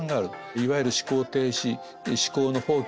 いわゆる思考停止思考の放棄